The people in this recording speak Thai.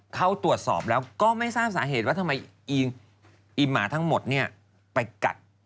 เข้าตรวจสอบแล้วก็ไม่ทราบสาเหตุว่าทำไมอีหมาทั้งหมดไปกัด